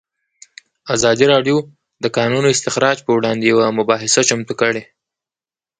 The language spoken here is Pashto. ازادي راډیو د د کانونو استخراج پر وړاندې یوه مباحثه چمتو کړې.